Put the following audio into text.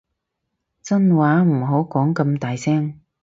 真話唔好講咁大聲